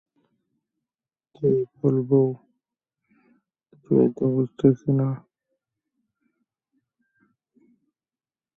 ভারত ও চীনের মতো দুইটি সুপ্রাচীন সভ্যতার মধ্যবর্তী স্থানে তিব্বতী সভ্যতার বিস্তার ঘটে।